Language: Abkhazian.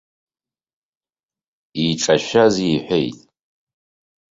Иҿашәаз иҳәеит.